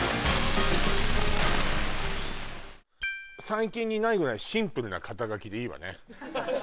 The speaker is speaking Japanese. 最近にないぐらいシンプルな肩書でいいわね